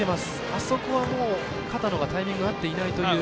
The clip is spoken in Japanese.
あそこは片野がタイミング合っていないという。